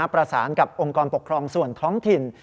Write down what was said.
ประสานกับองค์กรปกครองส่วนท้องถิ่น